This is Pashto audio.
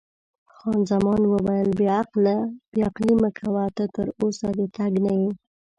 خان زمان وویل: بې عقلي مه کوه، ته تراوسه د تګ نه یې.